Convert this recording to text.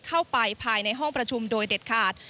เข้าไปภายในห้องประชุมโดยเด็ดขาด